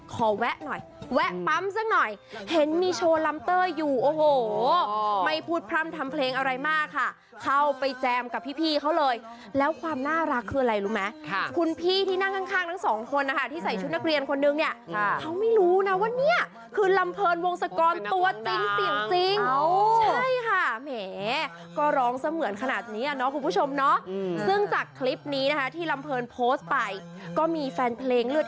ขอแวะหน่อยแวะปั๊มซักหน่อยเห็นมีโชว์ลัมเตอร์อยู่โอ้โหไม่พูดพร่ำทำเพลงอะไรมากค่ะเข้าไปแจมกับพี่เขาเลยแล้วความน่ารักคืออะไรรู้ไหมค่ะคุณพี่ที่นั่งข้างทั้งสองคนนะคะที่ใส่ชุดนักเรียนคนนึงเนี่ยเขาไม่รู้นะว่าเนี่ยคือลำเพิร์นวงศักรณ์ตัวจริงจริงใช่ค่ะแหมก็ร้องเสมือนขนาดนี้อ่ะเนาะคุณผ